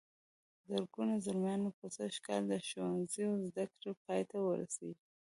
زرګونه زلميان به سږ کال د ښوونځي زدهکړې پای ته ورسوي.